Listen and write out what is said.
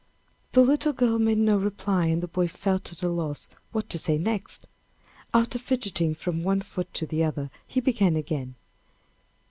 The little girl made no reply, and the boy felt at a loss what to say next. After fidgeting from one foot to the other he began again.